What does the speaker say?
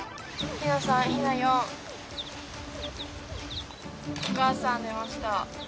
お母さん出ました。